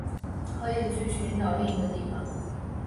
可以去寻找另一个地方